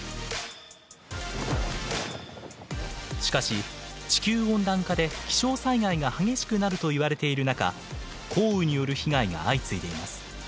しかし地球温暖化で気象災害が激しくなるといわれている中降雨による被害が相次いでいます。